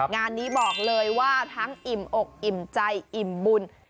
งานนี้บอกเลยว่าทั้งอิ่มอกอิ่มใจอิ่มบุญ